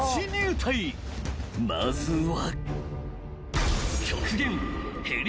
［まずは］